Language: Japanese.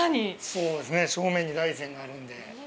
そうですね、正面に大山があるんで。